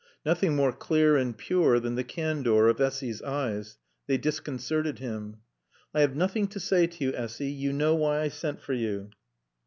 Nothing more clear and pure than the candor of Essy's eyes. They disconcerted him. "I have nothing to say to you, Essy. You know why I sent for you."